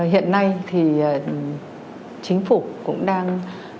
hiện nay thì chính phủ cũng đang